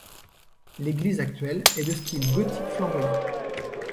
L'église actuelle est de style gothique flamboyant.